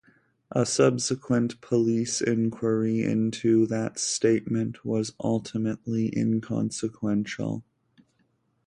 A subsequent police inquiry into that statement was ultimately inconsequential.